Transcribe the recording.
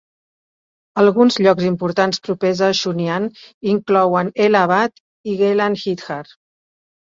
Alguns llocs importants propers a Chunian inclouen Ellah Abad i Gehlan Hithar.